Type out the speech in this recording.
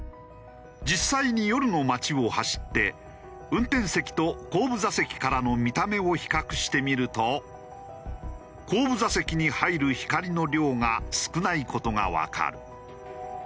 実際に夜の街を走って運転席と後部座席からの見た目を比較してみると後部座席に入る光の量が少ない事がわかる。